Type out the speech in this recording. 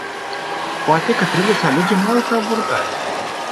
Poate că trebuie să alegem o altă abordare.